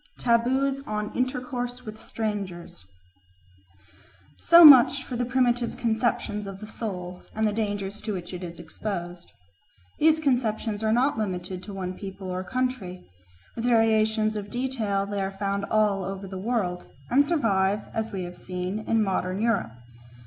Taboos on Intercourse with Strangers SO much for the primitive conceptions of the soul and the dangers to which it is exposed. These conceptions are not limited to one people or country; with variations of detail they are found all over the world, and survive, as we have seen, in modern Europe.